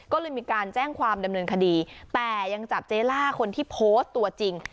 ก็เลยมีการแจ้งความดำเนินคดีแต่ยังจับเจล่าคนที่โพสต์ตัวจริง